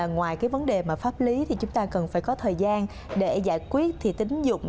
ngoài vấn đề pháp lý chúng ta cần phải có thời gian để giải quyết tín dụng